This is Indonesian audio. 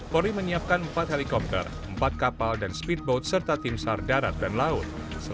polri menyiapkan empat helikopter empat kapal dan speedboat serta tim sar darat dan laut